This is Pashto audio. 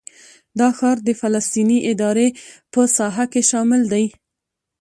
دا ښار د فلسطیني ادارې په ساحه کې شامل دی.